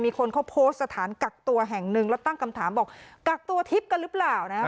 คนเขาโพสต์สถานกักตัวแห่งหนึ่งแล้วตั้งคำถามบอกกักตัวทิพย์กันหรือเปล่านะครับ